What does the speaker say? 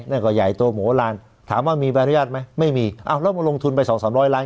นั่นก็ใหญ่โตโหลานถามว่ามีใบอนุญาตไหมไม่มีอ้าวแล้วมาลงทุนไปสองสามร้อยล้าน